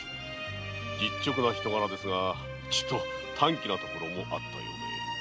実直な人柄ですがチト短気な面もあったようで。